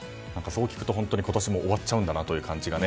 そう聞くと今年も終わっちゃうんだなという感じが。